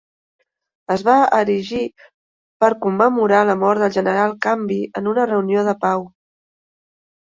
Es va erigir per commemorar la mort del general Canby en una reunió de pau.